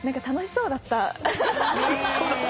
そうだったの！？